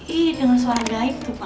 ih dengan suara gaib tuh ma